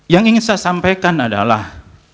yang ingin saya sampaikan adalah